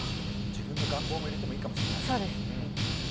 自分の願望も入れてもいいかもしれない。